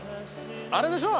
あれでしょ？